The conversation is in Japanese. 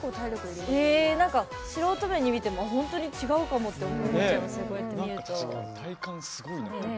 素人目に見ても本当に違うかもって見えちゃいますね。